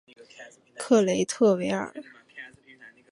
克雷特维尔。